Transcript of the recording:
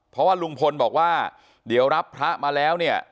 เพราะว่าลุงพลบอกว่าเดี๋ยวรับพระมาแล้วเนี่ย